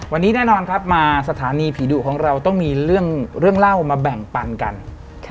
วันนี้แน่นอนครับมาสถานีผีดุของเราต้องมีเรื่องเล่ามาแบ่งปันกัน